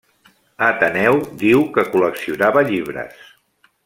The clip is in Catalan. Ateneu diu que col·leccionava llibres.